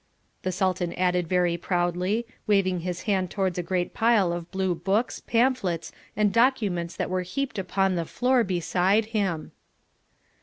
the Sultan added very proudly, waving his hand towards a great pile of blue books, pamphlets and documents that were heaped upon the floor beside him.